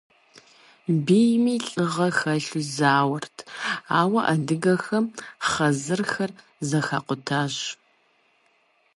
Бийми лӏыгъэ хэлъу зауэрт, ауэ адыгэхэм хъэзэрхэр зэхакъутащ.